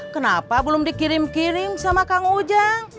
kenapa belum dikirim kirim sama kang ujang